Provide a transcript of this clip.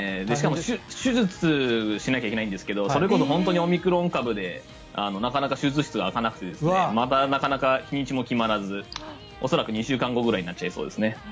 しかも、手術しなければいけないんですけどそれこそ本当にオミクロン株でなかなか手術室が空かなくてまだ、なかなか日にちも決まらず恐らく２週間後くらいになっちゃいそうですね。